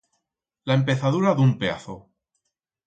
La empezadura d'un peazo.